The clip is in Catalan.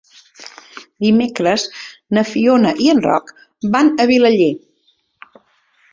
Dimecres na Fiona i en Roc van a Vilaller.